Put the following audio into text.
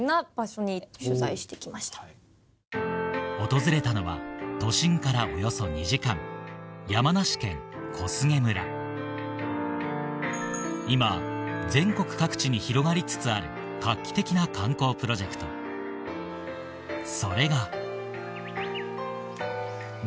訪れたのは都心からおよそ２時間山梨県小菅村今全国各地に広がりつつある画期的な観光プロジェクトそれがＮＩＰＰＯＮＩＡ